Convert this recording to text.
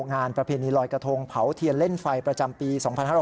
งานประเพณีลอยกระทงเผาเทียนเล่นไฟประจำปี๒๕๕๙